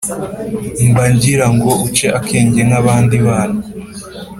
mba ngira ngo uce akenge nk’abandi bana.